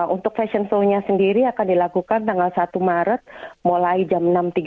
untuk fashion show nya sendiri akan dilakukan tanggal satu maret mulai jam enam tiga puluh